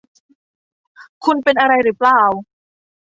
คุณเป็นอะไรหรือเปล่า